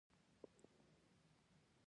مؤثریت علاقه؛ عمل ذکر سي او مراد ځني آله يي.